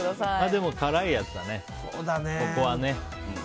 でも辛いやつだね、ここはね。